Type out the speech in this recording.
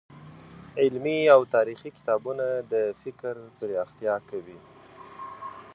علمي او تاريخي کتابونه د فکر پراختيا کوي.